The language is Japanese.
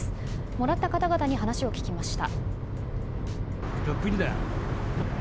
もらった方々に話を聞きました。